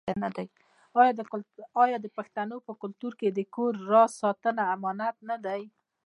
آیا د پښتنو په کلتور کې د کور راز ساتل امانت نه دی؟